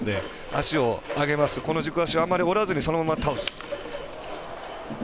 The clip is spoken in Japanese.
足を上げます、この軸足をそんなに曲げずに、そのまま倒す。